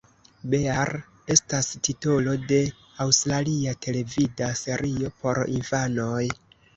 Bear estas titolo de aŭstralia televida serio por infanoj.